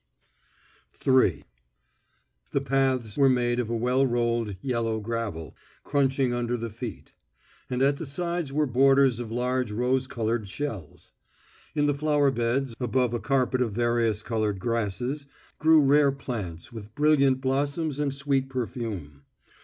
III The paths were made of a well rolled yellow gravel, crunching under the feet; and at the sides were borders of large rose coloured shells. In the flower beds, above a carpet of various coloured grasses, grew rare plants with brilliant blossoms and sweet perfume.